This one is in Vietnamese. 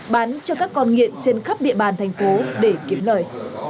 bán cho các con nghiện trên khắp địa bàn thành phố để kiếm lời